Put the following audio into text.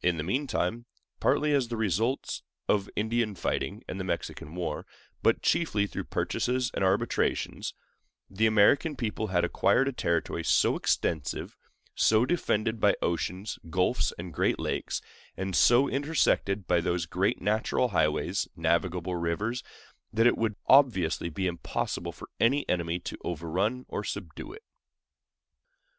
In the meantime, partly as the results of Indian fighting and the Mexican war, but chiefly through purchases and arbitrations, the American people had acquired a territory so extensive, so defended by oceans, gulfs, and great lakes, and so intersected by those great natural highways, navigable rivers, that it would obviously be impossible for any enemy to overrun or subdue it.